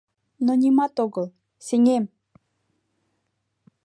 Но нимат огыл, сеҥем!..